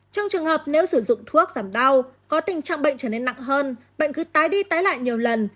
trong trường hợp nếu sử dụng thuốc giảm đau có tình trạng bệnh trở nên nặng hơn bệnh cứ tái đi tái lại nhiều lần